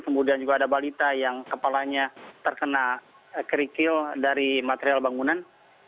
kemudian juga ada balita yang kepalanya terkena kerikil dari material bangunan